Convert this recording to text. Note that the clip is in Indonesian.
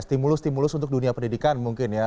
stimulus stimulus untuk dunia pendidikan mungkin ya